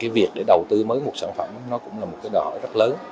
việc để đầu tư mới một sản phẩm cũng là một đòi rất lớn